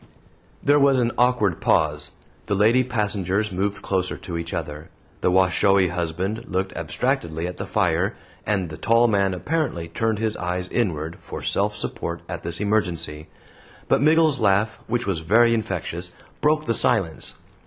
There was an awkward pause. The lady passengers moved closer to each other; the Washoe husband looked abstractedly at the fire; and the tall man apparently turned his eyes inward for self support at this emergency. But Miggles's laugh, which was very infectious, broke the silence.